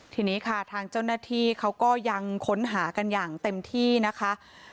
ทีนี้ค่ะทางเจ้าหน้าที่เขาก็ยังค้นหากันอย่างเต็มที่นะคะ